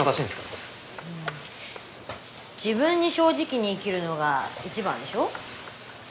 それ自分に正直に生きるのが一番でしょ？